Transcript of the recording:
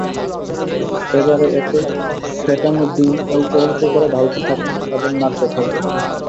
এবারে এতে ফেটানো ডিম অল্প অল্প করে ঢালতে থাকুন এবং নাড়তে থাকুন।